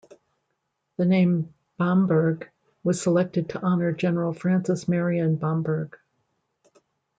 The name Bamberg was selected to honor General Francis Marion Bamberg.